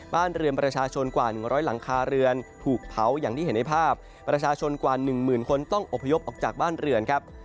บ้านเรือนประชาชนกว่า๑๐๐หลังคาเรือนถูกเผาอย่างที่เห็นในภาพประชาชนกว่าหนึ่งหมื่นคนต้องอบพยพออกจากบ้านเรือนครับ